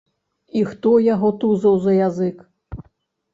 І хто яго тузаў за язык?